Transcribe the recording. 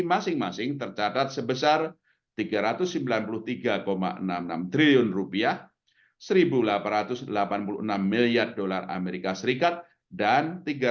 masing masing tercatat sebesar tiga ratus sembilan puluh tiga enam puluh enam triliun rupiah seribu delapan ratus delapan puluh enam miliar dolar amerika serikat dan